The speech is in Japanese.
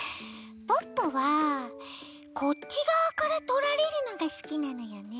ポッポはこっちがわからとられるのがすきなのよね。